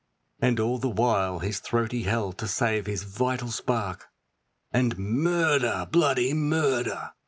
And all the while his throat he held to save his vital spark, And 'Murder! Bloody Murder!'